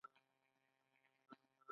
د پکتیا په وزه ځدراڼ کې د سمنټو مواد شته.